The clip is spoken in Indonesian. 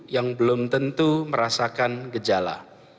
yang belum tentu merasakan gejala